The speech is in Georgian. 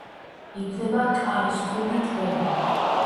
იქმნება კარსტული ტბები.